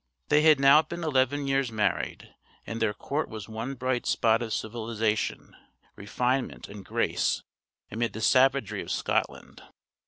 They had now been eleven years married, and their court was one bright spot of civilization, refinement, and grace, amid the savagery of Scotland.